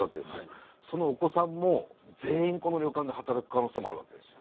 そのお子さんも全員この旅館で働く可能性もあるわけですよ。